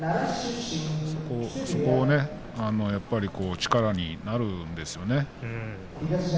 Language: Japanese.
そこをやっぱり力になるんですよね。